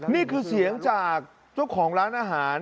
นี่คือเสียงจากเจ้าของร้านอาหาร